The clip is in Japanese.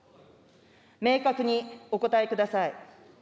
明確にお答えください。